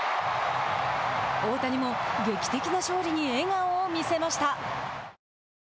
大谷も劇的な勝利に笑顔を見せました。